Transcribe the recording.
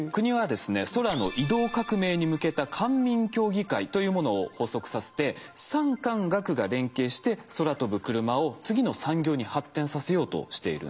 空の移動革命に向けた官民協議会というものを発足させて産官学が連携して空飛ぶクルマを次の産業に発展させようとしているんです。